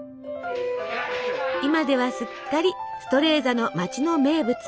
今ではすっかりストレーザの町の名物。